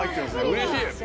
うれしい。